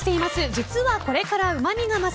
実はこれからうまみが増す！